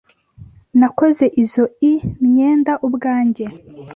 Nakoze izoi myenda ubwanjye.